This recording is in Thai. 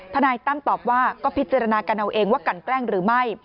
นายตั้มตอบว่าก็พิจารณากันเอาเองว่ากันแกล้งหรือไม่